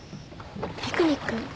ピクニック？